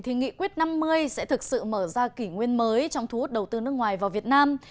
thì nghị quyết năm mươi sẽ thực sự mở ra kỷ nguyên mới trong thu hút đầu tư nước ngoài vào việt nam